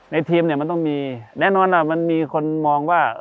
ทีมเนี่ยมันต้องมีแน่นอนมันมีคนมองว่า